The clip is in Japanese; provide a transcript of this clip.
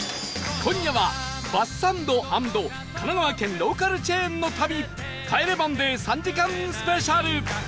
今夜はバスサンド＆神奈川県ローカルチェーンの旅『帰れマンデー』３時間スペシャル